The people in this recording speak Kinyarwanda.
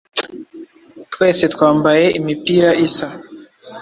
twese twambaye imipira isa.